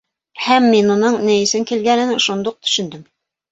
Һәм мин уның ни өсөн килгәнен шунда уҡ төшөндөм.